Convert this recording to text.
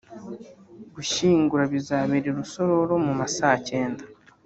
gushyingura bizabera i Rusororo mu ma saa kenda